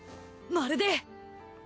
まるで。